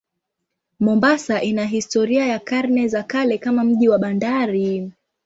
Mombasa ina historia ya karne za kale kama mji wa bandari.